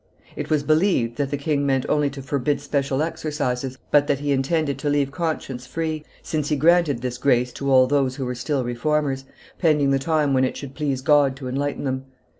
It was believed that the king meant only to forbid special exercises, but that he intended to leave conscience free, since he granted this grace to all those who were still Reformers, pending the time when it should please God to enlighten them.